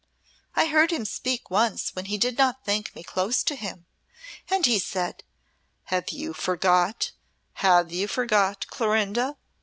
I heard him speak once when he did not think me close to him, and he said, 'Have you forgot have you forgot, Clorinda?'